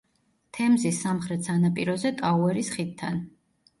თემზის სამხრეთ სანაპიროზე ტაუერის ხიდთან.